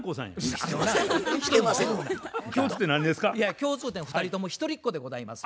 共通点２人とも一人っ子でございます。